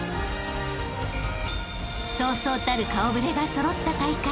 ［そうそうたる顔触れが揃った大会］